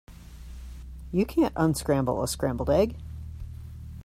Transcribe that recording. You can't unscramble a scrambled egg.